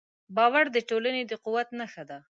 باور د ټولنې د قوت نښه ده.